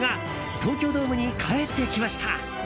東京ドームに帰ってきました。